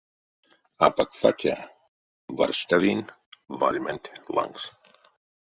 Апак фатя варштавинь вальманть лангс.